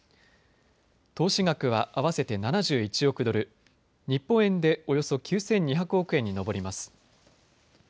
投資額は合わせて７１億ドル、日本円でおよそ９２００億円に上ります。